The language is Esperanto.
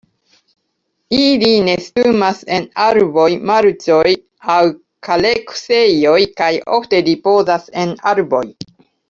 Ili nestumas en arboj, marĉoj aŭ kareksejoj, kaj ofte ripozas en arboj.